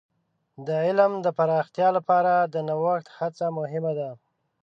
د علم د پراختیا لپاره د نوښت هڅه مهمه ده.